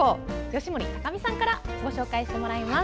吉守隆美さんにご紹介してもらいます。